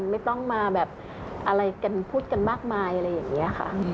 ไม่ต้องมาแบบอะไรกันพูดกันมากมายอะไรอย่างนี้ค่ะ